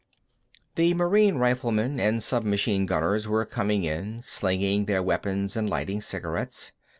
The Marine riflemen and submachine gunners were coming in, slinging their weapons and lighting cigarettes.